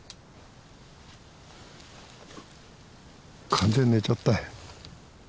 完全に寝ちゃったよ。